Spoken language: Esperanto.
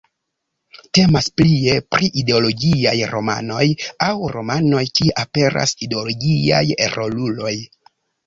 Temas plie pri ideologiaj romanoj aŭ romanoj, kie aperas ideologiaj roluloj.